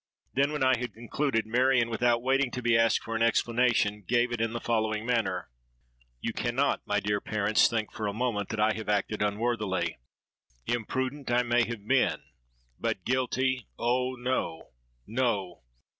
Then, when I had concluded, Marion, without waiting to be asked for an explanation, gave it in the following manner:— "'You cannot, my dear parents, think for a moment that I have acted unworthily. Imprudent I may have been—but guilty, Oh! no—no!